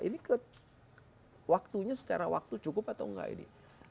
ini ke waktunya sekarang cukup atau enggak ini